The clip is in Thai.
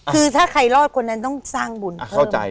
คือถ้าใครรอดคนนั้นต้องสร้างบุญเข้าใจ